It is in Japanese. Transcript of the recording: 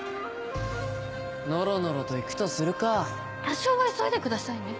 のろのろと行くとするかぁ多少は急いでくださいね！